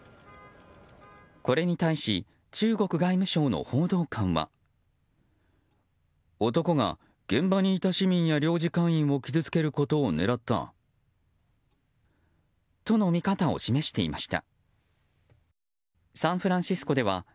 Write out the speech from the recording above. これに対し中国外務省の報道官は。との見方を示していました。